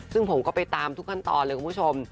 ซึ่งผมก็ไปตามทุกขั้นตอนเลยคุณผู้ชม